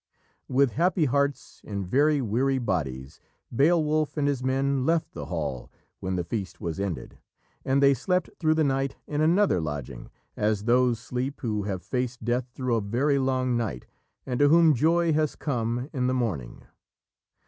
With happy hearts in very weary bodies, Beowulf and his men left the hall when the feast was ended, and they slept through the night in another lodging as those sleep who have faced death through a very long night, and to whom joy has come in the morning.